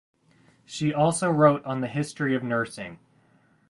She also wrote on the history of nursing.